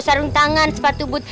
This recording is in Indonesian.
sarung tangan sepatu but